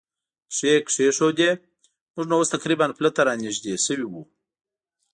پښې کېښوودې، موږ نو اوس تقریباً پله ته را نږدې شوي و.